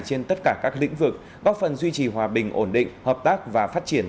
trên tất cả các lĩnh vực góp phần duy trì hòa bình ổn định hợp tác và phát triển